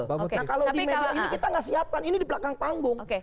nah kalau di media ini kita nggak siapkan ini di belakang panggung